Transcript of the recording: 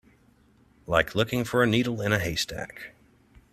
Like looking for a needle in a haystack.